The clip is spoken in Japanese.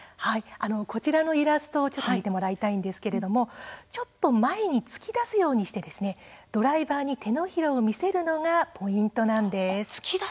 こちらのイラストを見てもらいたいんですがちょっと前に突き出すようにしてドライバーに手のひらを見せるのがポイントなんです。